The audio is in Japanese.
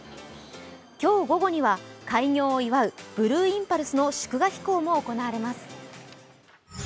今日午後には開業を祝うブルーインパルスの祝賀飛行も行われます。